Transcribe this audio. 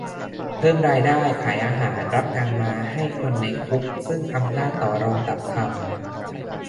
เพิ่มรายได้ ขายอาหาร รับงานมาให้คนในคุกซึ่งอำนาจต่อรองต่ำทำ